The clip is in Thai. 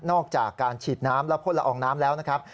อกจากการฉีดน้ำและพ่นละอองน้ำแล้วนะครับ